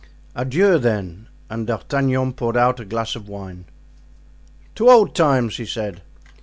"Adieu, then." And D'Artagnan poured out a glass of wine. "To old times," he said.